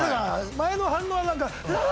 前の反応はうわ！